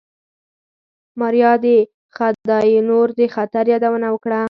ماريا د خداينور د خطر يادونه وکړه.